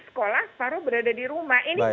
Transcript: sekolah separuh berada di rumah ini